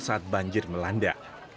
saat banjir melanda